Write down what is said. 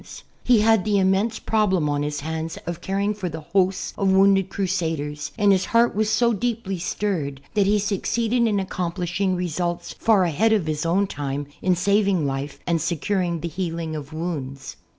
He had the immense problem on his hands of caring for the hosts of wounded crusaders, and his heart was so deeply stirred that he succeeded in accomplishing results far ahead of his own time in saving life and securing the healing of wounds.